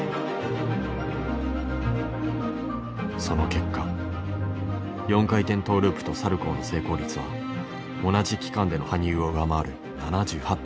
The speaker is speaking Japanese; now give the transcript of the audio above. その結果４回転トーループとサルコーの成功率は同じ期間での羽生を上回る７８％。